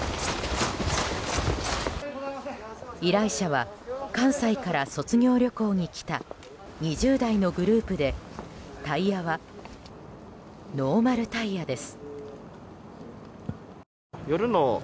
依頼者は関西から卒業旅行に来た２０代のグループでタイヤはノーマルタイヤです。